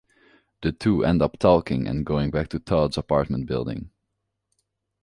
The two end up talking and going back to Todd's apartment building.